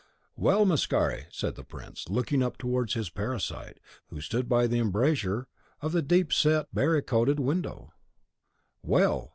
"Well, Mascari," said the prince, looking up towards his parasite, who stood by the embrasure of the deep set barricadoed window, "well!